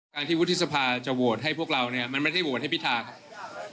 การที่วุฒิสภาจะโหวตให้พวกเราเนี่ยมันไม่ได้โหวตให้พิธาครับ